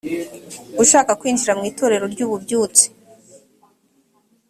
ushaka kwinjira mu itorero ry’ ububyutse